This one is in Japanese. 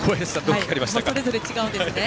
それぞれ違うんですね。